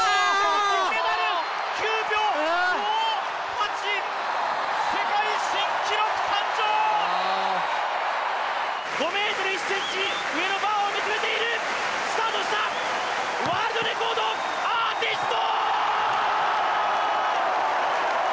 金メダル５ｍ１ｃｍ上のバーを見つめているスタートしたワールドレコードアーティスト！